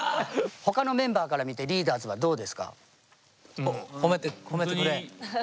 他のメンバーから見てリーダーズはどうですか？